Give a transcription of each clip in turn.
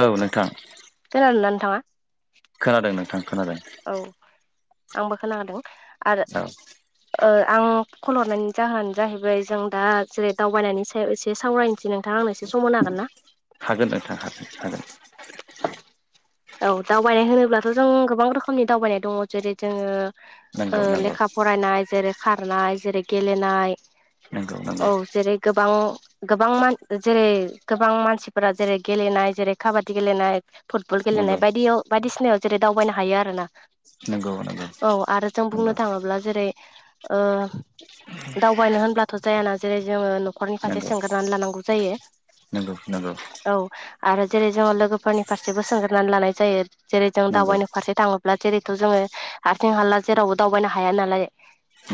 औ नोंथां। थांङा खोनादों नोंथां खोनादों आंबो खोनादों आरो आं कल हरनायनि जाहोनानो जाहैबाय जों दा जेरै दावबायनायनियाव एसे सावरायनोसै नोंथां आंनि हागोन नोंथां हागोन हागोन औ दावबायनाय होनोब्लाथ' जों गोबां रोखोमनि दावबायनाय दङ जेरै नंगौ जोङो नंगौ लेखा फरायनाय जेरै खारनाय जेरै गेलेनाय नंगौ नंगौ औ जेरै गोबां गोबां मान जेरै गोबां मानसिफोरा जेरै गेलेनाय जेरै काबादि गेलेनाय फुट बल गेलेनाय नंगौ बायदियाव बायदिसिनायाव जेरै दावबायनो हायो आरोना। नंगौ नंगौ औ आरो जों बुंनो थाङोब्ला जेरै दावबायनो होनब्लाथ' जायाना जेरै जोङो न'खरनि फारसे नंगौ सोंगारनानै लानांगौ जायो नंगौ नंगौ औ आरो जोंङो लोगोफोरनिफ्राय बो सोंजोबनानै लानाय जायो जेरै जों नंगौ दावबायनो फारसे थाङोब्ला जेरैथ' जोङो हारसिं हाला जेरावबो दाव बायनो हाया नालाय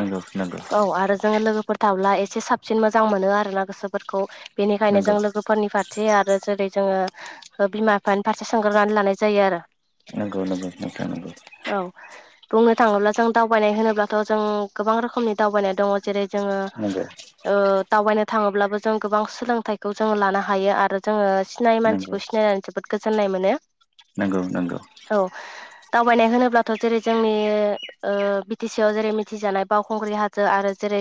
नंगौ नंगौ औ आरो जोङो लोगोफोर थाब्ला एसे साबसिन मोजां मोनो आरोना गोसोफोरखौ बेनिखायनो जों लोगोफोर नि फारसे आरो जेरै जोङो बिमा बिफानि फारसे सोंग्रोनानै लानाय जायो आरो। बे थानांगौ। औ बुंनो थाङोब्ला जों दावबायनाय होनोब्लाथ' जों गोबां रोखोमनि दावबायनाय दङ जेरै जों। नंगौ। दावबायनो थाङोब्लाबो जों गोबां सोलोंथाइखौ जोङो लानो हायो आरो जोङो सिनायै नंगौ मानसिखौ। सिनायनानै जोबोद गोजोननाय मोनो। नंगौ नंगौ। औ दावबायनाय होनोब्लाथ' जेरै जोंनि बि टि सि आव जेरै मिथिजानाय बावखुंग्रि हाजो आरो। जेरै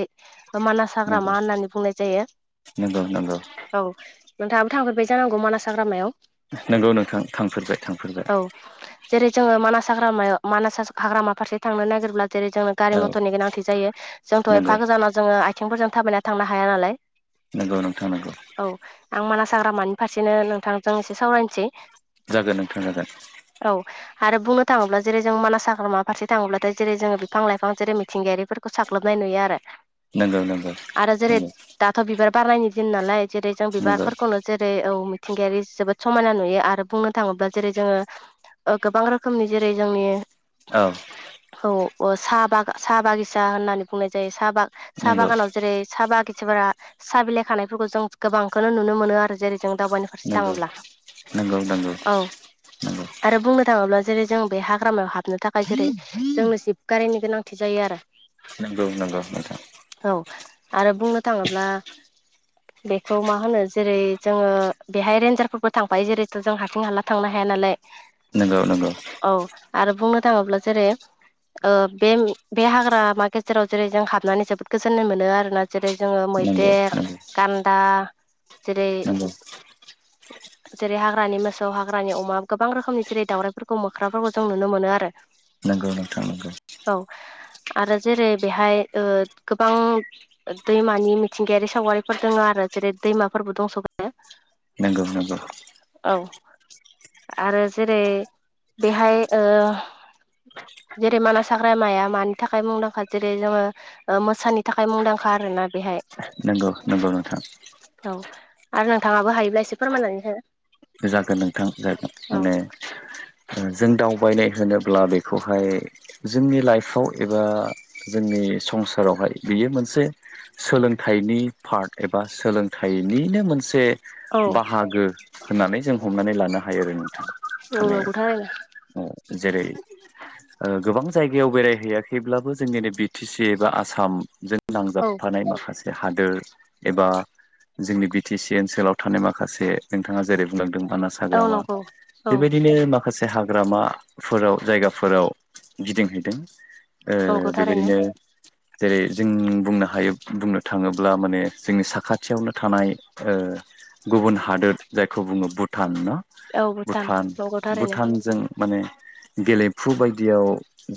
मानास हाग्रामा होननानै बुंनाय जायो। नोंगौ। औ नोंथाङाबो थांफेरबाय जानांगौ मानास हाग्रामायाव। नोंगौ नोंथां थांफेरबाय थांफेरबाय। औव जेरै जोङो मानास हाग्रामायाव मानास हाग्रा फारसे थांनो नागिरब्ला। जेरै जोंनो औ गारि मथरनि गोनांथि जायो जोंथ' नंगौ एफा गोजानाव जोङो आथिंफोरजों थाबायना थांनो हाया नालाय। नोंगौ नोंथां नोंगौ। औ आं मानास हाग्रामानि फारसेनो नोंथांजों एसे सावरायनोसै। जागोन नोंथां जागोन। औ आरो बुंनो थाङोब्ला जेरै जों मानास हाग्रामा फारसे थाङोब्लाथाय जेरै जोङो बिफां लाइफां जेरै मिथिंगायारिफोरखौ साग्लोबनाय। नुयो नंगौ नंगौ आरो जेरै नंगौ दाथ' बिबार बारनायनि दिन नालाय जेरै जों नंगौ बिबारफोरखौनो जेरै औ मिथिंगायारि जोबोद समायना नुयो आरो बुंनो थाङोब्ला जेरै जोङो गोबां रोखोमनि जेरै जोंनि औ। [inaudible] मानसिफोरा साहा बिलाइ नंगौ खानायफोरखौ जों गोबांखौनो नुनो मोनो आरो जेरै जों दावबायनि फारसे दाङोब्ला। नोंगौ नंगौ नंगौ। आरो बुंनो थाङोब्ला जेरै जों बे हाग्रामायाव हाबनो थाखाय जेरै जोंनो जिब गारिनि गोनांथि जायो आरो। नंगौ नंगौ नोंथां। औ आरो बुंनो थाङोब्ला बेखौ मा होनो जेरै जोङो बेहाय रेन्जार फोर थांफायो जेरै' जों हारसिं हाला थांनो हाया नालाय। नंगौ नंगौ। औ आरो बुंनो थाङोब्ला जेरै बे बे हाग्रामा गेजेराव जेरै जों हाबनानै जोबोद गोजोन्नाय मोनो आरोना जेरै जोङो नंगौ मैदेर नंगौ गान्दा जेरै नंगौ जेरै हाग्रानि मोसौ हाग्रानि अमा गोबां रोखोमनि जेरै दावउराइफोरखौ मोख्राफोरखौ जों नुनो मोनो आरो। नंगौ नोंथां नोंगौ। औ आरो जेरै बेहाय गोबां दैमानि मिथिंगायारि। सावगारिफोर दङ आरो जेरै दैमाफोरबो दंस'गारो। नंगौ नंगौ। औ आरो जेरै बेहाय जेरै मानास हाग्रा माया मानि थाखाय मुंदांखा जेरै जोङो मोसानि थाखाय मुंदांखा। आरोना बेहाय नंगौ नंगौ नोंथां। औ आरो नोंथाङाबो हायोब्ला एसे फोरमायनानै हो। जागोन नोंथां जागोन औ माने। जों दावबायनाय होनोब्ला बेखौहाय जोंनि लाइफआव एबा जोंनि संसारावहाय बियो मोनसे सोलोंथाइनि पार्ट एबा सोलोंथाइनिनो। मोनसे औ बाहागो होननानै जों हमनानै लानो हागोन। हायो नोंथां औ माने नंगौ थारैनो जेरै गोबां जायगायाव बेरायहैयाखैब्लाबो जोंनिनो बि टि सि एबा आसाम जों औ नांजाबफानाय माखासे हाद ग एबा जोंनि बि टि सि ओनसोलाव थानाय माखासे नोंथाङा जेरै बुंलांदोंमोन। मानास औ हाग्रामा नंगौ औ बेबायदिनो माखासे हा ग्रामाफोराव जायगाफोराव गिदिंहैदों। ओ नंगौ थारैनो बेबायदिनो जेरै जों बुंनो हायो, बुंनो थाङोब्ला माने जोंनि साखाथियावनो थानाय ओ गुबुन हादोर जायखौ बुङो भुटान ना औ भुटान नंगौ थारैनो भुटानजों माने गेलेमफु बायदियाव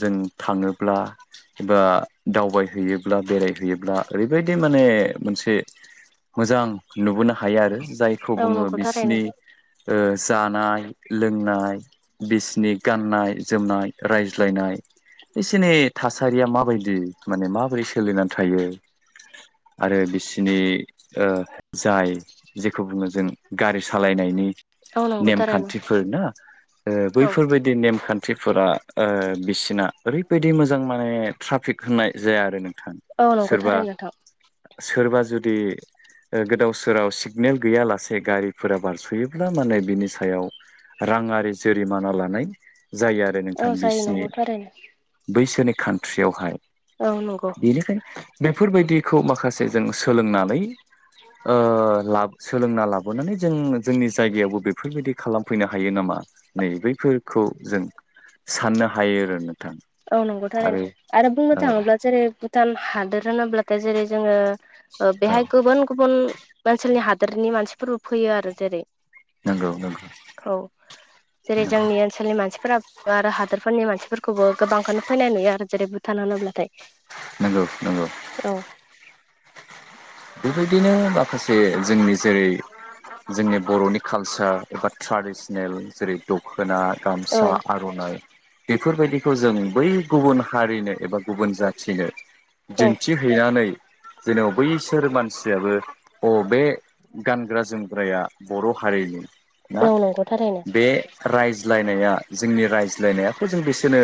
जों थाङोब्ला एबा दावबायहैयोब्ला बेरायहैयोब्ला ओरैबायदि माने मोनसे मोजां नुबोनो हायो आरो जायखौ बुङो बि बेरायनो ओ जानाय लोंनाय बिसिनि गाननाय जोमनाय रायज्लायनाय एसे एनै थासारिया माबायदि माने माबोरै सोलिनानै थायो आरो बिसनि ओ जाय जेखौ बुङो जों गारि सालायनायनि औ नंगौ थारैनो नेमखान्थिफोर ना ओ औ बैफोरबायदि नेमखान थिफोरा ओ बिसिना ओरैबायदि मोजां माने ट्राफिक होननाय जाया आरो नों औ नंगौ थारैनो नोंथां। सोरबा जुदि ओ गोदाव सोराव सिगनेल गैया लासे गारिफोरा बारस'योब्ला माने बिनि सायाव राङारि जुरिमाना लानाय जायो आरो नोंथां औ जायो बिसिनि नंगौ थारैनो बैसोरनि कान्ट्रियावहाय औ नंगौ। बेनिखायनो बेफोरबायदिखौ माखासे जों सोलोंनानै ओ ला सोलोंना ला बोनानै जों जोंनि जायगायावबो बेफोरबायदि खालामफैनो हायो नामा नै बैफोरखौ जों साननो हायो आरो ना। औ नंगौ थारैनो आरो बुंनो औ थाङोब्ला जेरै भुटान हादोर होनोब्लाथाय जेरै जोङो ओ औ बेहाय गुबुन गुबुन ओनसोलनि हादोरनि मानसिफोरबो फैयो आरो जेरै नोंगौ नों औ जेरै जोंनि ओनसोलनि मानसिफोरो आरो हादोरफोरनि मानसिफोरखौबो गोबांखौनो फैनाय नुयो आरो जेरै भुटान होनोब्लाथाय। नंगौ नंगौ। औ बेबायदिनो माखासे जोंनि जेरै जोंनि बर'नि कालचार एबा ट्रेडिसनेल जेरै दखना औ गामसा आर'नाइ बेफोरबायदिखौ जों बै गुबुन हारिनो एबा गुबुन जाथिनो औ दिन्थि हैैनानै जेन' बै सोर मानसियाबो अ बे गानग्रा जोमग्राया बर' हारिनि ना औ नंगौ थारैनो बे रायज्लायनाया जोंनि रायज्लायनायाथ' जों बिसोरनो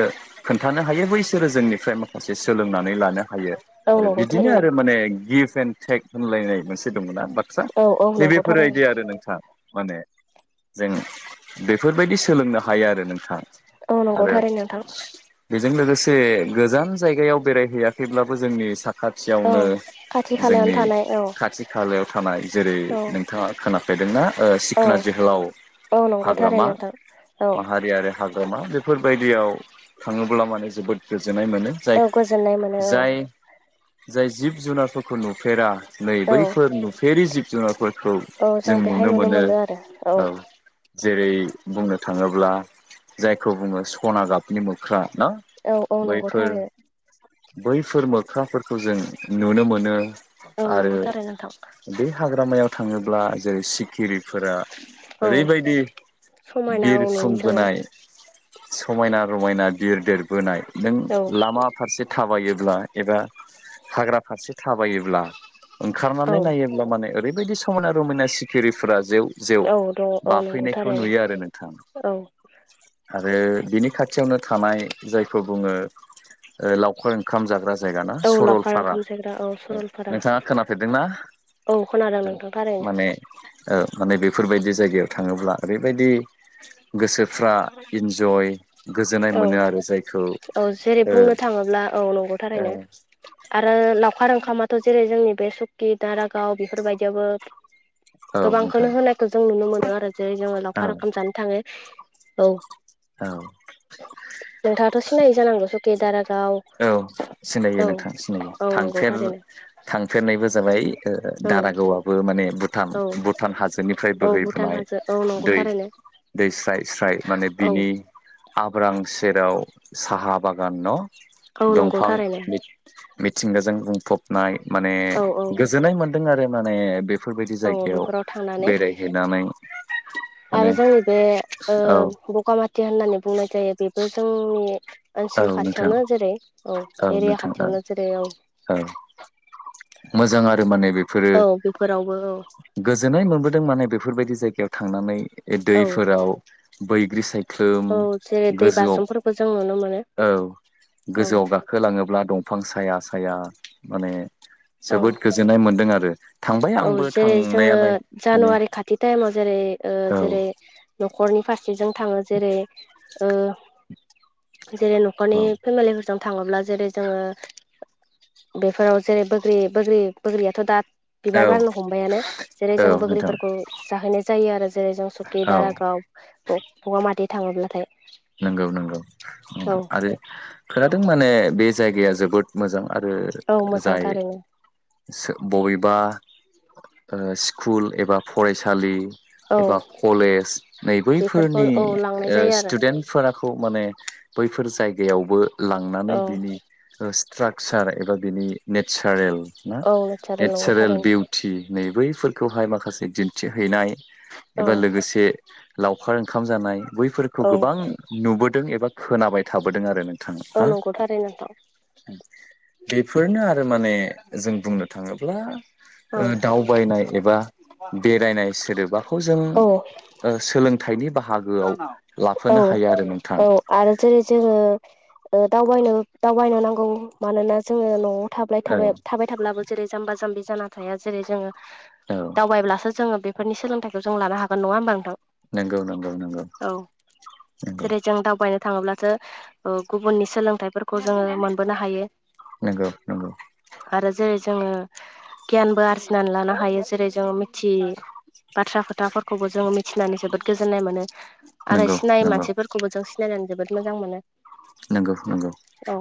खोन्थानो हायो बैसोरो जोंनिफ्राय माखासे सोलोंनानै लानो हायो औ आरो नंगौ बिदिनो थारैनो आरो माने गिफ्ट टेक होनलायनाय मोनसे दंना बाथ्रा औ औ नंगौ नैबेफोर थारैनो बायदि आरो नोंथा। माने जों बेफोरबायदि सोलोंनो हायो आरो नोंथां। औ नंगौ आरो थारैनो नोंथां। बेजों लोगोसे गोजान जायगायाव बेरायहैयाखैब्लाबो जोंनि औ साखाथियावनो खाथि खालायावनो जोंनि थानाय औ खाथि खालायाव थानाय जेरै औ नोंथाङा खोनाफेरदोंना ओ औ सिखोना जोहोलाव औ नंगौ थारैनो हाग्रामा नोंथां औ माहारियारि हाग्रामा बेफोरबायदियाव थाङोब्ला माने जोबोद गोजोननाय मोनो जाय औ गोजोननाय मोनो औ जाय जाय जिब जुनारफोरखौ नुफेरा नै औ बैफोर नुफेरि जिब जुनारफोर खौ जों नुनो मोनो औ जेरै बुंनो थाङोब्ला जायखौ बुङो सना गाबनि मोख्रा ना औ औ नंगौ बैफोर थारै बैफोर मोख्राफोरखौ जों नुनो मोनो औ आरो नंगौ थारै नोंथां बे हाग्रामायाव थाङोब्ला जेरै सिखिरि फोरा औ ओरैबायदि समायना औ बिर नुयो जोङो सुंबोनाय समायना रमायना बिरदेरबोनाय नों लामा फारसे थाबायोब्ला एबा हाग्रा फारसे थाबायोब्ला औ ओंखारनानै नायोब्ला माने ओरैबायदि समायना रमायना सिखरिफोरा जेव जेव औ दङ औ नंगौ बाफैनायखौ थारैनो नुयो आरो नोंथां। औ आरो बिनि खाथियावनो थानाय जायखौ बुङो लावखार ओ ओंखाम जाग्रा जायगा ना औ लावखार सरलपारा ओंखाम जायग्रा औ सरलपारा नोंथाङा खोनाफेरदोंना औ खोनादों औ नोंथां थारैनो माने ओ‌ माने बेफोरबायदि जायगायाव थाङोब्ला ओरैबायदि गोसोफ्रा इन्जय गोजोननाय औ मोनो आरो जायखौ औ जेरै ओ बुंनो थाङोब्ला औ नंगौ थारैनो ओ आरो लाव खार ओंखामाथ' जेरै जोंनि बे सुकि दारागाव बेफोरबायदियावबो औ नोंथां गोबांखौनो होनायखौ जों नुनो मोनो आरो जेरै जोङो औ लावखार ओंखाम जानो थाङो औ। औ नोंथाङाथ' सिनायै जानांगौ सकि दारा औ सिनायो नोंथां सिनायो औ नंगौ थांफेर थारैनो थांफेरनायबो जाबाय। ओ औ दारागावआबो माने भुटान औ भुटान हाजोनिफ्राय औ भुटान बोहैबोनाय हाजो औ नंगौ दै। थारैनो दै स्राय स्राय माने औ बिनि आब्रां जेराव साहा बागान न' औ नंगौ दंफां थारैनो मिथिंगाजों बुंफबनाय माने औ गोजोननाय मोन्दों आरो माने बे फोरबायदि औ जायगायाव बेफोराव थांनानै बेरायहैनानै। माने आरो जोंनि बे ओ औ बगामाथि होननानै बुंनाय जायो बेबो जोंनि औ ओनसोल नोंथां खाथियावनो जेरै औ एरिया नोंथां औ खाथियावनो जेरै औ मोजां आरो माने बेफोरो औ बेफोरावबो औ गोजोननाय मोनबोदों माने बेफोरबायदि जायगायाव थांनानै औ दैफोराव बैग्रि साइ ख्लोम औ जेरै दै गोजौआव बाज्रुमफोरखौ जों नुनो मोनो औ औ गोजौआव गाखोलाङोब्ला दं फां साया साया माने औ जोबोद गोजोननाय मोनदों आरो थांबाय औ आंबो जेरै थांनायालाय माने ए ओ औ जेरै न'खरनि फारसे जेजों थाङो जेरै ओ जेरै न'खरनि औ फेमिलिफोरजों थाङोब्ला जेरै जोङो बेफोराव जेरै बो ग्रि बोग्रि बोग्रियाथ' दा बिबार औ बारनो हमबायानो जेरै औ जों नोंथां बोग्रिफोरखौ जाहैनाय जायो आरो जेरै जों सुकि औ दारागाव बग-बगामाथि थाङोब्लाथाय नंगौ नंगौं औ नंगौ आरो खोनादों माने बे जायगाया जोबोद मोजां। आरो औ मोजां जाय थारैनो सो बबेबा ओ स्कुल एबा फरायसालि औ एबा कलेज नै बेफोरखौ बैफोरनि औ लांनाय ओ जायो आरो फोराखौ माने बैफोर जायगायावबो लांनानै औ बिनि सा स्ट्राकचार एबा बिनि नेचारेल ना औ नंगौ नेचारेल थारैनो बिउटि नै बैफोरखौहाय माखासे दिन्थि हैैनाय औ एबा लोगोसे लावखार ओंखाम जानाय बैफोरखौ औ गोबां नुबोदों एबा खोनाबाय थाबोदों आरो नों औ नंगौ थारै नोंथां। बेफोरनो आरो माने जों बुंनो थाङोब्ला ओ औ दावबायनाय एबा बेरायनाय सोदोबाखौ ओ जों औ सोलोंथाइनि बाहागोआव औ लाफानो हायो आरो नोंथां औ आरो जेरै जोङो दावबायनो दावबायनो नांगौ मानोना जोङो न'आव थाबाय औ थाबाय थाब्लाबो जेरै जाम्बा जाम्बि जाना थाया जेरै जोङो औ दावबायब्लासो जोङो बे बेफोरनिनि सोलोंथायखौ जों लानो हागोन नङाहोमबा नोंथां नंगौ नंगौ नंगौ औ नंगौ जेरै जों दावबायनो थाङोब्लाथो ओ गुबुननि सोलोंथाइफोरखौ जोङो मोनबोनो हायो नंगौ नंगौ नंगौ आरो जेरै जोङो गियानबो आरजिनानै लानो हायो जेरै जोंङो मिथि बाथ्रा खोथाफोरखौबो जोङो मिथिनानै जोबोद गोजोननाय मोनो आरो नंगौ सिनायै मानसिफोरखौबो जों सिनायनानै जोबोद मोजां मोनो नंगौ नंगौ औ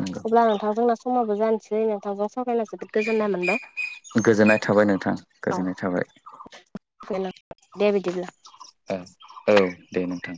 नंगौ अब्ला नोंथां जोंना समा जानोसै नोंथांजों सावरायना जोबोद गोजोन्नाय मोनबाय गोजोननाय थाबाय नोंथां औ गोजोननाय थाबाय दे बिदिब्ला औ दे नोंथां